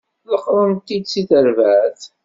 Ḍeqqren-t-id seg terbaɛt.